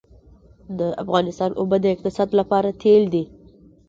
د افغانستان اوبه د اقتصاد لپاره تیل دي